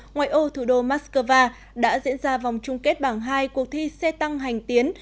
ngoài ô thủ đô moscow đã diễn ra vòng chung kết bảng hai cuộc thi xe tăng hành tiến